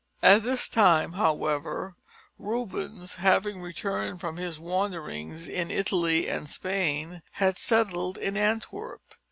At this time, however, Rubens, having returned from his wanderings in Italy and Spain, had settled in Antwerp.